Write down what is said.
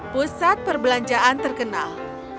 pusat perbelanjaan terkenal